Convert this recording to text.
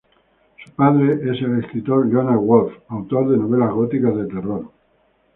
Su padre es el escritor Leonard Wolf, autor de novelas góticas de terror.